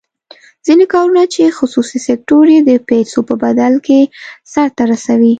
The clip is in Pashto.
ځینې کارونه چې خصوصي سکتور یې د پیسو په بدل کې سر ته رسوي.